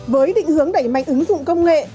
với định hướng đẩy mạnh ứng dụng công nghệ